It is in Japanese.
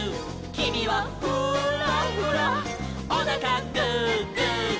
「きみはフーラフラ」「おなかグーグーグー」